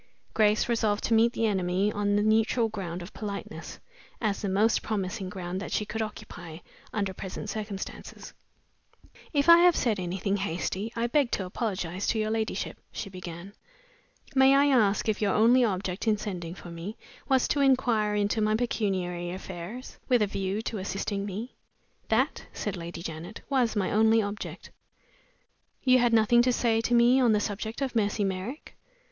Grace resolved to meet the enemy on the neutral ground of politeness, as the most promising ground that she could occupy under present circumstances. "If I have said anything hasty, I beg to apologize to your ladyship," she began. "May I ask if your only object in sending for me was to inquire into my pecuniary affairs, with a view to assisting me?" "That," said Lady Janet, "was my only object." "You had nothing to say to me on the subject of Mercy Merrick?"